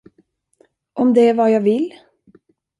Om det är vad jag vill?